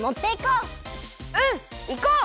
うんいこう！